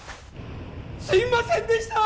すいませんでした！